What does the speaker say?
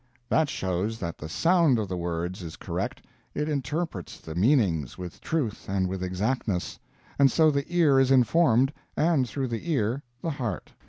That shows that the SOUND of the words is correct it interprets the meanings with truth and with exactness; and so the ear is informed, and through the ear, the heart.